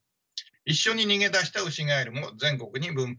一緒に逃げ出したウシガエルも全国に分布を広げています。